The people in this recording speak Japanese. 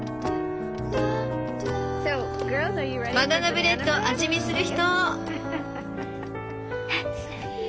バナナブレッド味見する人？